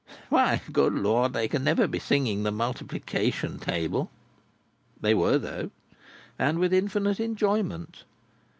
Why, good Lord, they can never be singing the multiplication table!" They were though, and with infinite enjoyment.